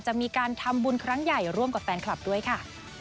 จะมีการทำบุญครั้งใหญ่ร่วมกับแฟนคลับด้วยค่ะ